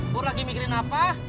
pur lagi mikirin apa